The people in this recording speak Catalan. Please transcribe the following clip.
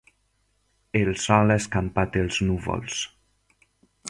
El sol ha escampat els núvols.